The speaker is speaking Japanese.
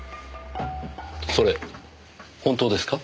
それ本当ですか？